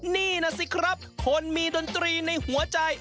นี่นะสิครับคนมีดนตรีในหัวใจ